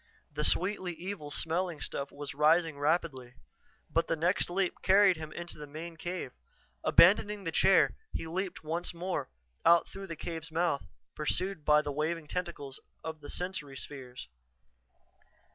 The sweetly evil smelling stuff was rising rapidly. But the next leap carried him into the main cave. Abandoning the chair, he leaped once more, out through the cave's mouth, pursued by the waving tentacles of the sensory spheres.